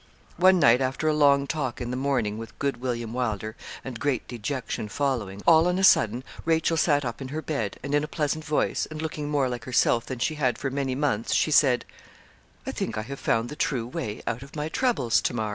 One night, after a long talk in the morning with good William Wylder, and great dejection following, all on a sudden, Rachel sat up in her bed, and in a pleasant voice, and looking more like herself than she had for many months, she said 'I think I have found the true way out of my troubles, Tamar.